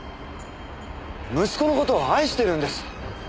息子の事を愛してるんです。